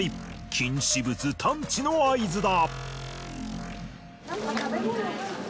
禁止物探知の合図だ。